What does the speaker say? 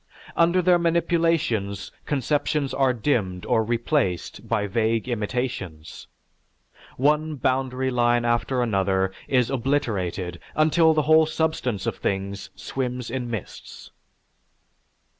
Under their manipulations conceptions are dimmed or replaced by vague intimations. One boundary line after another is obliterated until the whole substance of things swims in mists."